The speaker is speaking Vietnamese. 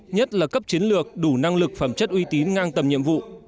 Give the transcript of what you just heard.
nhất là cấp chiến lược đủ năng lực phẩm chất uy tín ngang tầm nhiệm vụ